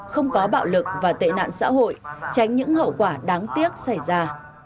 không có bạo lực và tệ nạn xã hội tránh những hậu quả đáng tiếc xảy ra